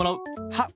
はっ！